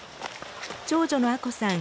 長女の亜子さん